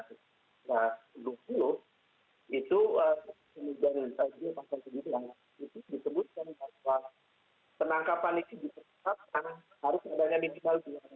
itu penunjukan dari pak jendral pak jendral itu disebutkan bahwa penangkapan itu diperhatkan harus adanya minimal jualan bukti